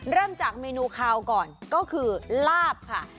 เริ่มจากเมนูคาวก่อนก็คือลาบค่ะ